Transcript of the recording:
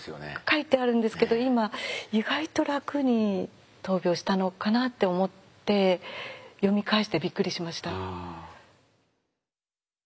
書いてあるんですけど今意外と楽に闘病したのかなって思って読み返してびっくりしました。